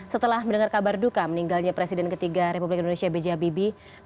setelah mendengar kabar duka meninggalnya presiden ketiga republik indonesia b j habibie